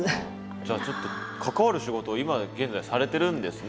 じゃあちょっと関わる仕事を今現在されてるんですね。